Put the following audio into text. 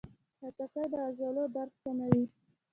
خټکی د عضلو درد کموي.